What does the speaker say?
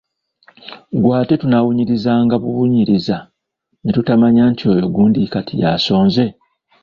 Ggwe ate tunaawunyirizanga buwunyiriza ne tumanya nti oyo gundi kati yasonze?